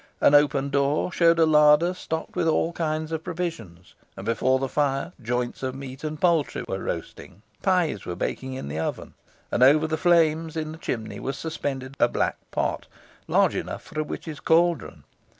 An open door showed a larder stocked with all kinds of provisions, and before the fire joints of meat and poultry were roasting. Pies were baking in the oven; and over the flames, in the chimney, was suspended a black pot large enough for a witch's caldron.